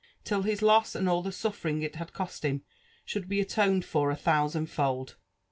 till his loss and M the suffering it had cost him should be atoned 4or a thousand* fold.